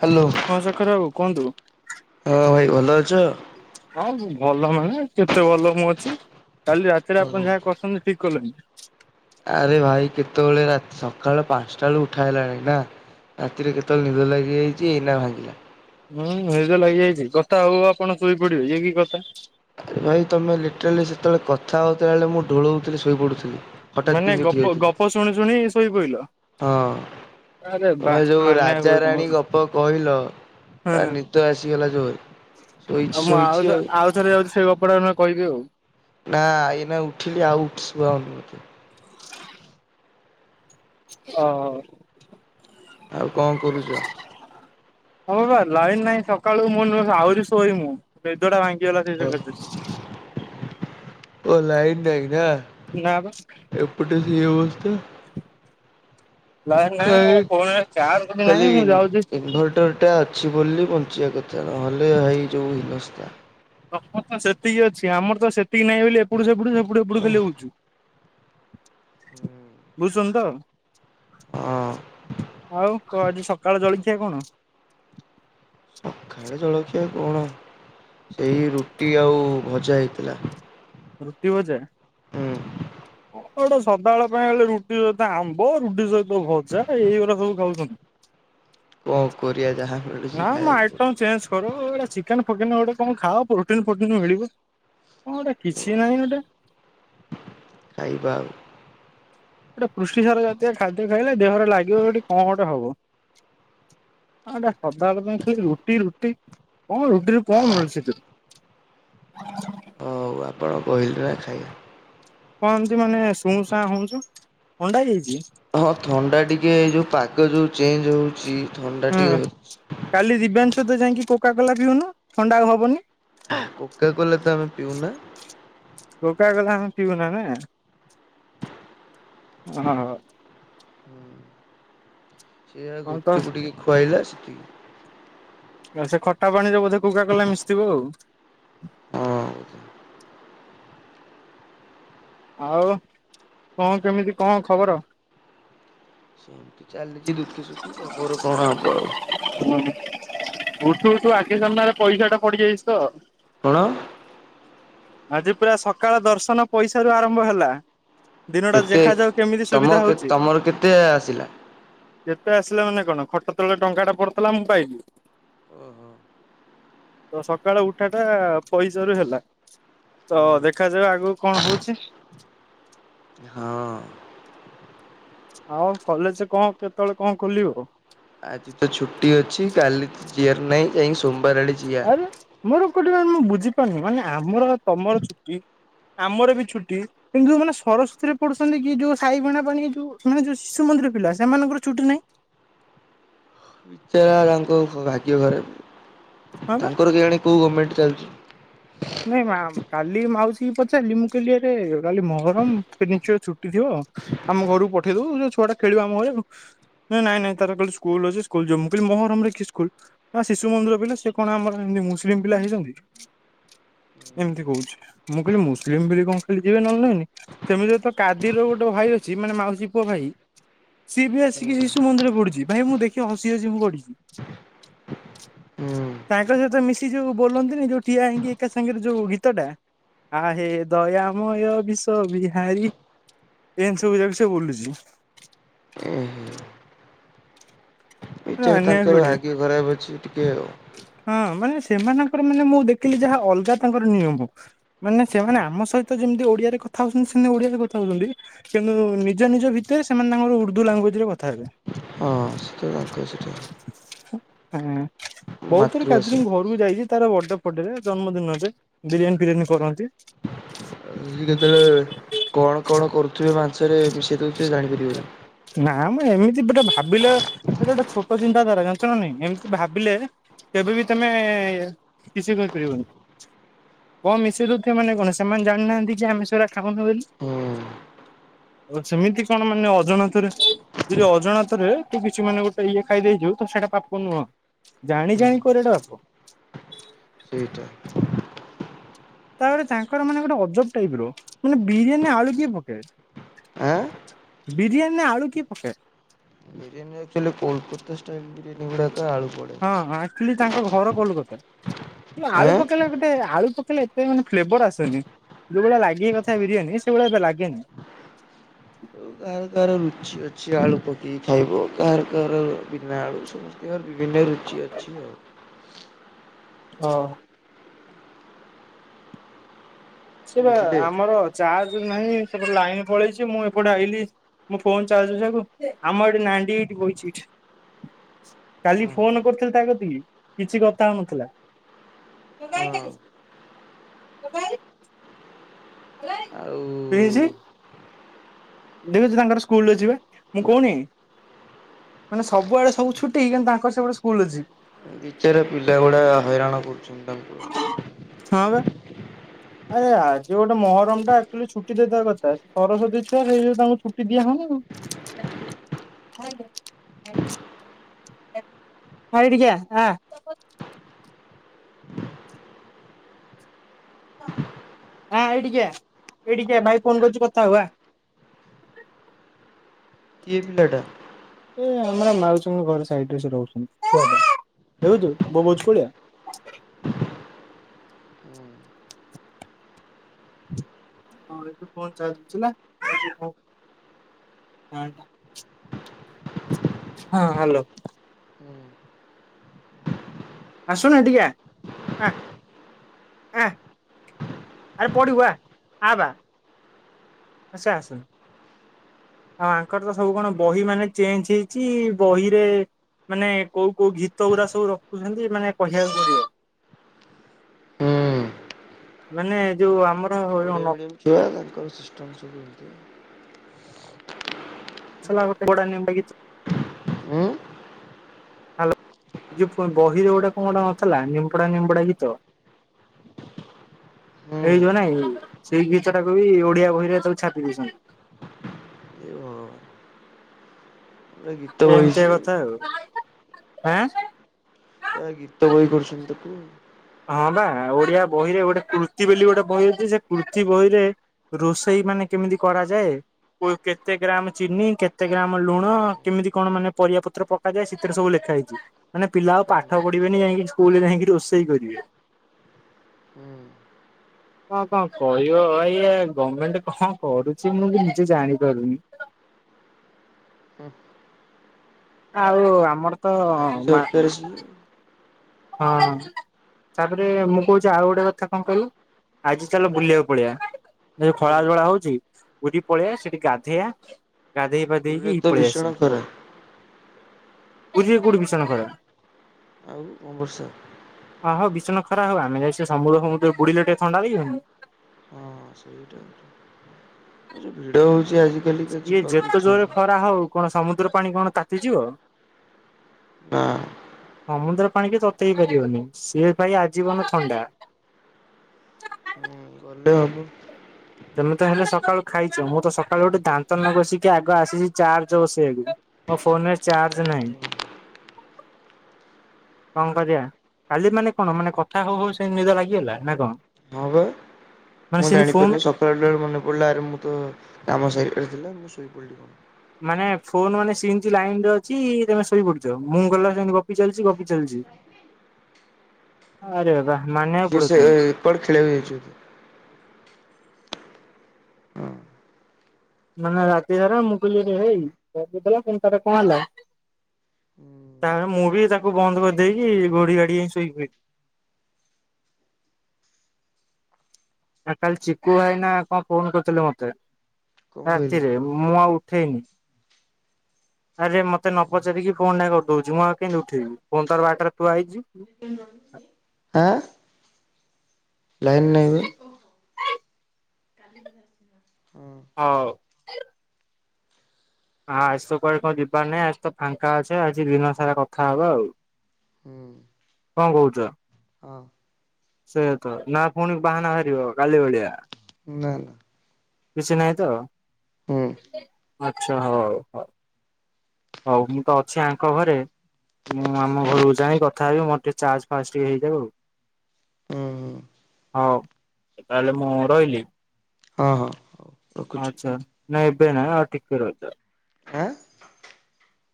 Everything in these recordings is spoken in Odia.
ହ୍ୟାଲୋ ହଁ ଶେଖର ବାବୁ କୁହନ୍ତୁ? ହଁ ଭାଇ ଭଲ ଅଛ? ହଁ ଭଲ ମାନେ କେତେ ଭଲ ମୁଁ ଅଛି, କାଲି ରାତିରେ ଓହୋ। ଆପଣ ଯାହା କଛନ୍ତି ଠିକ କଲେନି। ଆରେ ଭାଇ କେତେବେଳେ ରାତି ସକାଳ ପାଞ୍ଚଟା ବେଳୁ ଉଠାହେଲାଣି ନା ରାତିରେ କେତେବେଳେ ନିଦ ଲାଗିଯାଇଛି ଏଇନା ଭାଙ୍ଗିଲା। ହୁଁ ନିଦ ଲାଗିଯାଇଛି କଥା ହଉ ହଉ ଆପଣ ଶୋଇପଡ଼ିବେ, ଇଏ କି କଥା! ଆରେ ଭାଇ ତମେ ଲିଟରାଲି ସେତେବେଳେ କଥା ହଉଥିବା ବଳେ ମୁଁ ଢ଼ୋଳଉଥିଲି ଶୋଇପଡୁଥିଲି। ମାନେ ଗପ-ଗପ ଶୁଣି ଶୁଣି ଶୋଇ ପଡ଼ିଲ? ହଁ ତମେ ଯୋଉ ରାଜାରାଣୀ ଗପ କହିଲ? ହୁଁ ଆ ଆଉ, ନିଦ ଆସିଗଲା ଜୋରେ। ଶୋଇଛି ମୁଁ ଶୋଇଛି ଆଉ- ଆଉଥରେ ଯାଉଛି ସେଇ ଗପଟା କହିବି ଆଉ। ନା ଏଇନା ଉଠିଲି ଆଉ ଶୁଆ, ଅନି ମତେ? ଓହୋ। ଆଉ କଣ କରୁଛ? ହଁ ବା ଲାଇନ ନାହିଁ ସକାଳୁ, ମୁଁ ନହେଲେ ଆହୁରି ଶୋଇ ମୁୁ ନିଦଟା ଭଙ୍ଗିନୀ ଲା ସେଥି ଲାଗି। ଓ ଲାଇନ୍ ନାଇଁ ନା ନା ବା ଏପଟେ ସେ ଅବସ୍ଥା ଲାଇନ ନାହିଁ ମୋ ଖାଇ ଫୋନରେ ଚାର୍ଜ ବି ନାହିଁ ଖାଲି ମୁଁ ଯାଉଛି ଇନଭର୍ଟର ଟା ଅଛି ବୋଲି ବଞ୍ଚିବା କଥା ନ ହେଲେ ଏଇ ଯେଉଁ ହିନସ୍ତା। ତମର ତ ସେତିକି ଅଛି, ଆମର ତ ସେତିକି ନହିଁ ବୋଲି, ଏପଟୁ ସେପଟୁ ସେପଟୁ ଏପଟୁ ଖାଲି ହଉଛୁ ବୁଝୁନୁ ତ? ହଁ ଆଉ କ ଆଜି ସକାଳ ଜଳଖିଆ କଣ? ସକାଳେ ଜଳଖିଆ କଣ ସେଇ ରୁଟି ଆଉ ଭଜା ହେଇଥିଲା। ରୁଟି ଭଜା? ହୁଁ। କଣ ଗୋଟେ ସଧାବେଳେ ପାଇଁ ଗଲେ ରୁଟି ସହିତ ଆମ୍ବ ରୁଟି ସହିତ ଭଜା ଏଇଗୁଡା ସବୁ ଖାଉଛନ୍ତି? କଣ କରିବା। ଯାହା ମିଳୁଛି ନା ଖାଇବାକୁ ଆଇଟମ ଚେଞ୍ଜ କର ଏରା ଚିକେନ ଫୁ କେନ, ଗୋଟେ କଣ ଖାଅ ପ୍ରୋଟିନ ଫୋଟିନ ମିଳିଵ ହଁ ଗୋଟେ କିଛି ନାହିଁ ଗୋଟେ ଖାଇବା ଆଉ। ଗୋଟେ ପୃଷ୍ଟିସାର ଜାତୀୟ ଖାଦ୍ୟ ଖାଇଲେ, ଦେହରେ ଲାଗିବ ଏଠି କଣ ଗୋଟେ ହବ [inaudible] ଆଡ଼େ ସାଧାବେଳେ ରୁଟି ରୁଟି କଣ ରୁଟିରୁ କଣ ମିଳଛି ସେଥିରୁ? ହଉ ଆପଣ କହିଲ ଖାଇବା। କଣ ହିନ୍ଦି ମାନେ ଶୁଣ ସାଁ ହଉଛୁ ଅଣ୍ଡା ଯାଇଛି? ହଁ ଥଣ୍ଡା ଟିକେ ଏଇ ଯୋଉ ପାଗ ଯୋଉ ଚେଞ୍ଜ ହଉଛି। ଥଣ୍ଡା ହୁଁ ଟିକେ ଧରିଛି। କାଲି ଦିବ୍ୟାଂଶ ତ ଯାଇକି କୋକା କଲା ପିଉନୁ ଥଣ୍ଡା ହବନି। କୋକା କୋଲା ତ ଆମେ ପିଉନା। କୋକା କୋଲା ଆମେ ପିିଓ ନା ନା। ହଉ। ସେଆ ଗୁପଚୁପ ଟିକେ ଖୁଆଇଲା ସେତିକି। ଆଉ ସେ ଖଟା ପାଣିରେ ବୋଧେ କୁକା କଲା ମିଶଥିବ ଆଉ। ହଉ। ଆଉ କଣ କେମିତି କଣ ଖବର? ସେମତି ଚାଲିଛି ଦୁଃଖେ ସୁୁଖେ ଖବର କଣ ହବ ଆଉ। ହ ଉଠୁ ଉଠୁ ଆଗେ ସାମନାରେ ପଇସା ଟା ପଡିଯାଇଛି ତ। କଣ? ଆଜି ପୁରା ସକାଳ ଦର୍ଶନ ପଇସାରୁ ଆରମ୍ଭ ହେଲା। ଦିନଟା କେତେ ଦେଖାଯାଉ କେମିତି ତମ ସୁବିଧା ହଉଛି। ତମର କେତେ ଆସିଲା? ଯେତେ ଆସିଲେ ମାନେ କଣ ଖଟ ତଳେ ଟଙ୍କା ଟା ପଡିଥିଲା ମୁଁ ପାଇବି। ଓ ହୋ। ତ ସକାଳ ଉଠା ଟା ପଇସା ରୁ ହେଲା। ତ ହୁଁ ଦେଖାଯିଉ ଆଗକୁ କଣ ହଉଛି। ହଁ। ଆଉ କଲେଜ କଣ କେତେବେଳେ କଣ ଖୋଲିବ? ଆଜି ତ ଛୁଟି ଅଛି କାଲି ଯିବାର ନାହିଁ ଯାଇି ସୋମବାର ଆଡେ ଯିବା। ଆରେ ମୋର ଗୋଟେ ମୁଁ ବୁଝିପାରୁନି ମାନେ ଆମର ତମର ଛୁଟି ଆମର ବି ଛୁଟି କିନ୍ତୁ ମାନେ ସରସ୍ଵତୀରେ ପଡୁଛନ୍ତି କି ଯୋଉ ସାଇ ଭଣା ପାଣି ଯୋଉ ମାନେ ଯୋଉ ଶିଶୁ ମନ୍ଦ ପିଲା ସେମାନଙ୍କର ଛୁଟି ନାଇଁ। ବିଚାରା ତାଙ୍କ ଘ ଭାଗ୍ୟ ଖରାପ। ହଁ ବା ତାଙ୍କର କେ ଜାଣି କୋଉ ଗମେଣ୍ଟ ଚାଲିଛି। ନାଇଁ ମା କାଲି ମାଉସୀ ପଚାରିଲି ମୁଁ କହିଲିଆରେ କାଲି ମହରମ ଫନିଚ ଛୁଟି ଥିବ ହଁ ଆମ ଘରକୁ ପଠେଇ ଦବୁ ଯେ ଛୁଆ ଟା ଖେଳିବା ଆମ ଘରେ ଆଉ। ନାଇଁ ନାଇଁ ନାଇଁ ତାର କାଲି ସ୍କୁଲ ଅଛି ସ୍କୁଲ ଯିବ ମୁ କହିଲି ମହରମରେ କି ସ୍କୁଲ ନା ଶିଶୁ ମନ୍ଦିର ପିଲା ସେ କଣ ଆମର ମୁସଲିମ ପିଲା ହେଇଛନ୍ତି। [inaudible] ଏମିତି କହୁଛି ମୁଁ କହିଲି ମୁସଲିମ ବୋଲି କଣ ଖାଲି ଯିବେ ନହେଲେ ନାହି ସେମିତି ତ କାଦିର ଗୋଟେ ଭାଇ ଅଛି ମାନେ ମାଉସି ପୁଅ ଭାଇ ସିଏ ବି ଆସିକି ଶିଶୁ ହୁଁ ମନ୍ଦିର ପଡୁଛି। ଭାଇ ମୁଁ ଦେଖି ହସି ହସି ମୁଁ ଗଡିଛି। ତାଙ୍କ ସହିତ ମିଶି ଯୋଉ ବୋଲନ୍ତିନି ଯୋଉ ଠିଆ ହେଇକି ଏକା ସାଙ୍ଗରେ ଯୋଉ ଗୀତ ଟା ଆ ହେ ଦୟାମୟ ବିଷ ବିହାରୀ ଏନ ସବବୁ ଯାଗଛ ବଲିଲୁଛି। [unintelligible] ବିଚାରା ଅନ୍ୟାୟ ତାଙ୍କର ଘଡିଆ ଭାଗ୍ୟ ଖରାପ ଅଛି ଟିକେ ଆଉ। ହଁ ମାନ ସେମାନଙ୍କର ମାନେ ମୁଁ ଦେଖିଲି ଯାହା ଅଲଗା ତାଙ୍କର ନିୟମ ମାନେ ସେମାନେ ଆମ ସହିତ ଯେମିତି ଓଡିଆରେ କଥା ହଉଛନ୍ତି ସେମତି ଓଡିଆରେ କଥା ହଉଛନ୍ତି କିନ୍ତୁ ନିଜ ନିଜ ଭିତରେ ସେମାନେ ତାଙ୍କର ଉର୍ଦୁ ଲାଙ୍ଗୁଏଜ ରେ କଥା ହେବେ। ହଁ ସେ ତ ତାଙ୍କ ସେଟା ହଁ ବହୁତ ଥର ମାତୃଭାଷା କାଜ ଘରକୁ ଯାଇଛି ତାର ବ ପଟେରେ ଜନ୍ମଦିନ ଯେ ବିରିୟାନୀ ଫରିୟାନୀ କରନ୍ତି। କେତେବେଳେ କଣ କଣ କରୁଥିବେ ମାଂସରେ ମିଶାଇ ଦେଉଥିବ ଜାଣିପାରିବନି। ନା ମୁଁ ଏମିତି ଗୋଟେ ଭାବିଲେଟେ ଗୋଟେ ଛୋଟ ଚିନ୍ତାଧାରା ଜାଣିୁଣ ନାହି ଏମିତି ଭାବିଲେ କେବେ ବି ତମେ କିଛି କହିପାରିବନି। କଣ ମିଶେଇ ଦଉଥଥିବା ମାନେ କଣ ସେମାନେ ଜାଣିନାହାନ୍ତି କି ଆମେ ସେଇରା ଖାଉନୁ ବୋ ହୁଁ ଆଉ ସେମିତି କଣ ମାନେ ଅଜାଣତରେ ଯଦି ଅଜାଣତରେ ଟିକେ ପଛୁ ମାନେ ଗୋଟେ ଇଏ ଖାଇଦେଇକି ତ ସେଟା ପାପ ନୁହଁ। ଜାଣି ଜାଣି କରିବା ଟା ପାପ। ସେଇଟା। ତାପରେ ତାଙ୍କର ମାନେ ଗୋଟେ ଅଜବ ଟାଇପ ର ମାନେ ବିରିୟାନୀ ରେ ଆଳୁ କିଏ ଆଁ ପକାଏ। ବିରିୟାନୀ ରେ ଆଳୁ କିଏ ପକାଏ। ଆକଚୁଆଲି କଲକାତାଷ୍ଟାଇଲ ବିୟାନୀ ଗୁଡା ହଁ ହଁ ଆଚୁଲି ତାଙ୍କ ଘର କୋଲକତା। କିନ୍ତୁ ଆଳୁ ଆଉ ପକେଇଲେ ଗୋଟେ ଆଳୁ ପକେଇଲେ ଏତେ ମାନେ ଫ୍ଲେଭର ଆସେନି। ଯେଉଭଳିଆ ଲାଗିଆ କଥା ବିରିୟାନୀ ସେଇଭଳିଆ ଏତେ ଲାଗେନି। ହୋଉ କା କାହାର କାହାର ରୁଚି ଅଛି ଆଳୁ ପକେଇକି ଖାଇବ। କାହାର କାହାର ବିନା ଆଳୁ ସମସ୍ତଙ୍କର ବିଭିନ୍ନ ରୁଚି ଅଛିି ଆଉ। ହଁ। ସେଇଟା ବୁଝିଲେ। ଆମର ଚାର୍ଜ ନାହିଁ। ସେପଟେ ଲାଇନ ପଳେଇଚି। ମୁଁ ଏପଟେ ଆଇଲି। ମୁଁ ଫୋନ ଚାରଜ ବସେଇବାକୁ ଆମର ଏଠି ନାଣ୍ଡି ଏଇଠି ବଇଛି ଏଇଠି। କାଲି ଓହୋ ଫୋନ କରିଥିଲି ତା କତିିକି କିଛି କଥା ହଉନଥିଲା। ମୋବାଇଲ ହଁ କାଇଁ ମୋବାଇଲ। ଆଉ କି ହେଇଚି। ଦେଖୁଚି ତାଙ୍କର ସ୍କୁଲ ଅଛିବା ମୁଁ କହୁନି। ମାନେ ସବୁଆଡେ ସବୁ ଛୁଟି। କିନ୍ତୁ ତାଙ୍କର ସେପଟେ ସ୍କୁଲ ଅଛି। ବିଚରା ପିଲା ଗୁଡା ହଇରାଣ କରୁଛନ୍ତି ତାଙ୍କୁ ହଁ ବା ଆଉ। ଆରେ ଆଜି ଗୋଟେ ମହରମ ଟା ଆକଚୁଆଲି ଛୁଟି ଦେଇଦବା କଥା। ସରସ୍ଵତୀ ତାଙ୍କୁ ସେଇଥି ଯୋଗୁ ତାଙ୍କୁ ଛୁଟି ଦିଆହୋଉନି। ହଁ ଏଇଠିକି ଆ ଆ। ଆ ଏଇଠି କି ଆ ଏଇଠିକି ଆ ଭାଇ ଫୋନ ଧରିଚି। କଥା ହୋବୁ। କିଏପିିଲାଟା। ଏ ଆମର ମାଉସଙ୍କ ଘରେ ସାଇଡରେ ସେ ରହୁଚନ୍ତି। ଦେଖୁଉଛ ବବୋଉଚି କୋଉଭଳିଆ। ହୁଁ। ହଁ ଏଠି ଫୋନ ଚାଲିଚି। ନାହଁ ହାଲୋ। ଆସୁନ ଟିକେ ଆ ଆ ଆ। ଆରେ ପଢିବୁ ଆ ଆବା। ସିଏ ଆସୁନ ଆଉ ଆଙ୍କର ତ ସବୁ କଣ ବହି ମାନେ ଚେଞ୍ଜ ହେଇଚି। ବହିରେ ମାନେ କୋଉ କୋଉ ଗୀତ ଗୁଡା ସବୁ ରଖୁଛନ୍ତି ମାନେ କହିବାକୁ ପଡିବ। ହୁଁ ମାନେ ଯୋଉ ଆମର ନ ଜଙ୍କ ଛୁଆ ସିଷମଟ [unintelligible] ସଟ ଗ ହୁଁ [unintelligible] ଯୋଉ ବହିରୁ ଗୋଟେ କଣ ନଥିଲା ନିମ୍ପଡା ନିମ୍ପଡା ଗୀତ। [inaudible] ହେଇଯିବ ନାଇଁ ସେଇ ଗୀତଟାକୁ ବି ଓଡିଆ ବହିରେ ସବୁ ଛାପି ଦେଇଛନ୍ତି। ଓ ଏମିତି ଆ କଥା ଆଉ ଆଁ। ପୁରା ଗୀତ ବହି ଘୋଷ ତୁ। ହଁ ବା ଓଡିଆ ବହିରେ ଗୋଟେ କୃତି ବୋଲି ଗୋଟେ ବହି ଅଛି ସେ କୃତି ବହିରେ ରୋଷେଇ ମାନେ କେମିତି କରାଯାଏ? କେତେ ଗ୍ରାମ୍ ଚିନି କେତେ ଗ୍ରାମ୍ ଲୁଣ କେମିତି କଣ ମାନେ ପରିବା ପତ୍ର ପକାଯାଏ ସେଥିରେ ସବୁ ଲେଖ ଖାଇଛି ମାନେ ପିଲା ଆଉ ହୁଁ ପାଠପଢ଼ିବେନି ଯାଇକି ସ୍କୁଲରେ ଯାଇକି ରୋଷେଇ କରିବେ। ହୁଁ [inaudible] ହୁଁ କଣ କଣ କହିବ ଇଏ ଗମେଣ୍ଟ୍ କଣ କରୁଛି ମୁଁ ବି କିଛି ଜାଣିପାରୁନି। [unintelligible] ହୁଁ। ଆଉ ଆମର ତ ଆଜି ମା ସରକାର ସିଏ ହଁ ତାପରେ ମୁଁ କହୁଛି ଆଉ ଗୋଟେ କଥା କଣ କହିଲୁ? ଆଜି ଚାଲ ବୁଲିବାକୁ ପଳେଇବା। ଏ ଯୋଉ କୁଆଡେ ଖରାବେଳା ହଉଛି ବୁଲିକି ପଳେଇଆ ସେଠି ଗାଧେଇଆ ଗାଧେଇ ପ ପୁରୀରେ ଦେଇକି ତ ପଳେଇ ଭୀଷଣ ଆସିବା। ଖରା କୁଡ଼ିଏ କୁଡ଼ି ବିଛାନା ଘ [unintelligible] ଅମ୍ବୃଶା। ଖରା ହଉ ଆମେ ଯାଇଛେ ସମୁଦ୍ର ଫମୁଦ୍ର ବୁଡିଲେ ଟିକେ ଥଣ୍ଡା ଲାଗିିବନି। ହଁ ସେଇଟା ହେଲେ ଭିଡ ହଉଛି। ଆଜିକାଲି ତ ଇଏ ଯିବାକୁ ଯେତେ ଇଚ୍ଛା ଜୋରରେ ହଉନି ଖରା ହଉ କଣ ସମୁଦ୍ର ପାଣି କଣ ତାତିଯିବ। ହଁ। ସମୁଦ୍ର ପାଣି କି ତତେଇ ପାରିବନି ସିଏ ଭାଇ ଆଜୀବନ ଥଣ୍ଡା। ହୁଁ ଗଲେ ହବ। ତମେ ତ ହେଲେ ସକାଳୁ ଖାଇଛ ମୁଁ ତ ସକାଳୁ ଗୋଟେ ଦାନ୍ତ ନଗସିକି ଆଗ ଆସିଛି ଚାର୍ଜ ବସେଇବାକୁ। ମୋ ଫୋନରେ ଚାର୍ଜ ନାହିଁ। [inaudible] କଣ କରିବା କାଲି ମାନେ କଣ ମାନେ କଥା ହଉ ହଉ ସେମିତୀ ନିଦ ଲାଗିଗଲା ନା କଣ? ହଁ ବା। ମାନେ ମୁଁ ସେମିତି ଫୋନ୍ ଜାଣିପାରିନି ସକାଳଠାରୁ ମନେ ପଡିଲା ଆରେ ମୁଁ ତ କାମ ସରିବାରଥିଲା ମୁଁ ଶୋଇପଡିଲି କଣ? ମାନେ ଫୋନ ମାନେ ସେମିତି ଲାଇନରେ ଅଛି ତମେ ଶୋଇପଡିଛ ମୁଁ ଗଲା ସେମିତି ଗପି ଚାଲିଛି ଗପି ଚାଲିଛି। [inaudible] ଆରେ ବାପା। ଯେ ସେ କୁଆଡ଼େ ଖେଳିବାକୁଯାଇଛି। ହଁ ମାନେ ରାତି ସାରା ମୁଁ କହିଲି ରେ ହେଇ ଗପୁଥିଲା ପୁଣି ତାର କଣ ହେଲା? ହୁଁ ତାପରେ ମୁଁ ବି ତାଙ୍କୁ ବନ୍ଦ କରିଦେଇକି ଘୋଡି ଘାଡି ହେଇ ଶୋଇପଇଲି। [inaudible] ଆ କାଲି ଚିକୁୁ ଭାଇନା କଣ ଫୋନ କରିଥିଲେ ମତେ। କଣ କହିଲେ ରାତିରେ ମୁଁ ଆଉ ଉଠେଇନି। ଆରେ ମତେ ନ ପଚାରିକି ଫୋନ୍ ଟା କରିଦଉଛି ମୁଁ ଆଉ କେତି ଉଠେଇବି ଫୋନ ତାର ବାଟରେ ଥୁଆହେଇଛି। [inaudible] [inaudible] ଲାଇନ୍ ନାଇବା। ହଁ ହଉ। ଆ ଆସ କୁଆଡେ କଣ ଯିବାର ନାହିଁ ଆଜି ତ ଫାଙ୍କା ଅଛି ଆଜି ଦିନ ସାରା କଥା ହବା ଆଉ। ହୁଁ କଣ କହୁଛ। ହଁ ସେୟା ତ ନା ପୁଣି ବାହାନା ବାହାରିବ କାଲି ଭଳିଆ। ନା ନା କିଛି ନହିଁ ତ ହୁଁ ଆଚଛା ହଉ ହଉ। ହଉ ମୁଁ ତ ଅଛି ଆଙ୍କ ଘରେ ମୁଁ ଆମ ଘରକୁ ଯାଇ କଥା ହେବି ମୋର ଟିକେ ଚାର୍ଜ ଫାଷ୍ଟ ଟିକେ ହେଇଯାଉ ହୁଁ ହୁଁ ଆଉ ହଉ ତାହେଲେ ମୁଁ ରହିଲି। ହଁ ହଁ ହଉ ରଖୁଛି ଆଚ୍ଛା ନାଇଁ ଏବେ ନା ଆଉ ଟିକେ ରହିଯା। ଆଁ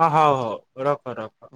ହଁ ହଉ ହଉ ରଖ ରଖ।